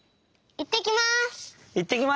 いってきます！